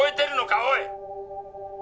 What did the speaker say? おい！